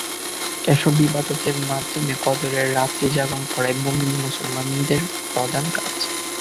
এসব ইবাদতের মাধ্যমে কদরের রাত্রি জাগরণ করাই মুমিন মুসলমানের প্রধান কাজ।